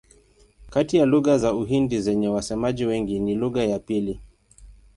Kati ya lugha za Uhindi zenye wasemaji wengi ni lugha ya pili.